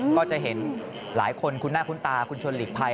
ก็จะเห็นหลายคนคุ้นหน้าคุ้นตาคุณชวนหลีกภัย